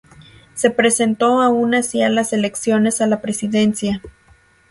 Se presentó aun así a las elecciones a la presidencia.